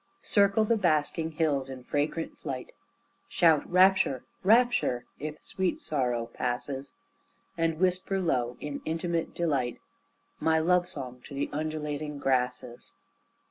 Circle the basking hills in fragrant flight, Shout Rapture! Rapture! if sweet sorrow passes, And whisper low in intimate delight My love song to the undulating grasses.